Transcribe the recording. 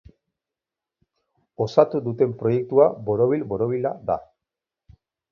Osatu duten proiektua borobil-borobila da.